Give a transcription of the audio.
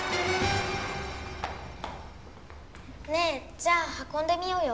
ねえじゃあはこんでみようよ。